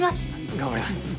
頑張ります。